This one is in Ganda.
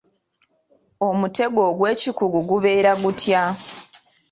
Omutego ogwekigu gubeera gutya?